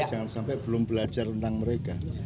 jangan sampai belum belajar tentang mereka